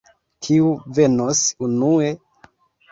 Kiu venos unue?